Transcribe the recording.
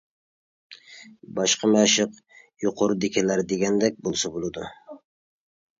باشقا مەشىق يۇقىرىدىكىلەر دېگەندەك بولسا بولىدۇ.